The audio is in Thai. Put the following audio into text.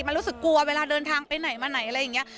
มันรู้สึกกลัวเวลาเดินทางไปไหนมาไหนอะไรอย่างนี้